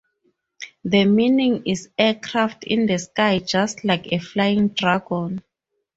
The meaning is aircraft in the sky just like a flying dragon.